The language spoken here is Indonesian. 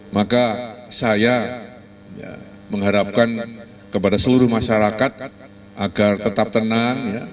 maka saya mengharapkan kepada seluruh masyarakat agar tetap tenang